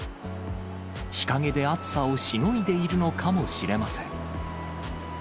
日陰で暑さをしのいでいるのかもしれません。